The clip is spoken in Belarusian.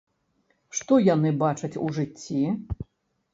Што яны бачаць у жыцці?